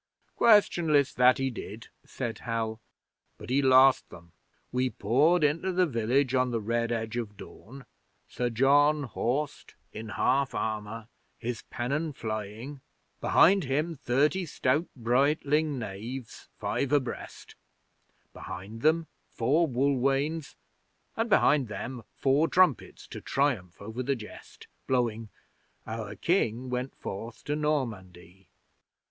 'Questionless, that he did,' said Hal. 'But he lost them. We poured into the village on the red edge of dawn, Sir John horsed, in half armour, his pennon flying; behind him thirty stout Brightling knaves, five abreast; behind them four wool wains, and behind them four trumpets to triumph over the jest, blowing: Our King went forth to Normandie.